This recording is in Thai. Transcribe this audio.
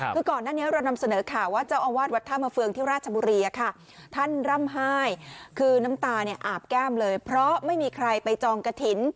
คือก่อนหน้านี้เรานำเสนอข่าวว่าเจ้าอาวาสวัดท่ามาเฟืองที่ราชบุรีท่านร่ำไห้คือน้ำตาเนี่ยอาบแก้มเลยเพราะไม่มีใครไปจองกระถิ่น